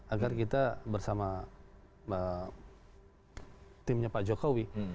agar kita bersama timnya pak jokowi